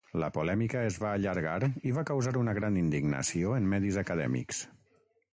La polèmica es va allargar i va causar una gran indignació en medis acadèmics.